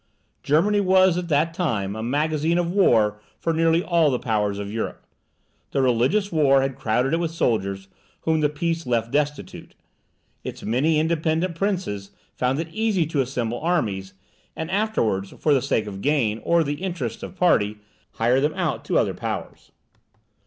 Germany was at that time a magazine of war for nearly all the powers of Europe. The religious war had crowded it with soldiers, whom the peace left destitute; its many independent princes found it easy to assemble armies, and afterwards, for the sake of gain, or the interests of party, hire them out to other powers.